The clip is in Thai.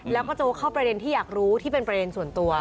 แล้วก็โจ๊กเข้าประเด็นที่อยากรู้ที่เป็นประเด็นส่วนตัว